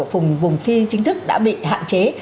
ở vùng phi chính thức đã bị hạn chế